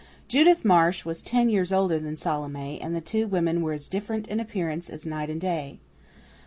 Judith Marsh was ten years older than Salome, and the two women were as different in appearance as night and day.